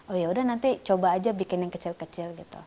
oh yaudah nanti coba aja bikin yang kecil kecil gitu